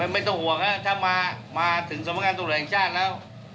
ไม่ต้องห่วงนะครับถ้ามาถึงสมรรยากาศตรวรรษแหล่งชาติแล้ว